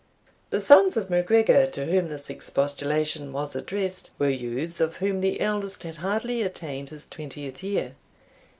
The sons of MacGregor, to whom this expostulation was addressed, were youths, of whom the eldest had hardly attained his twentieth year.